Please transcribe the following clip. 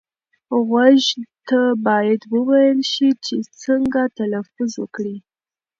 غوږ ته باید وویل شي چې څنګه تلفظ وکړي.